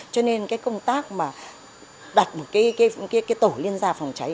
cho nên cái công tác mà đặt một cái tổ liên gia phòng cháy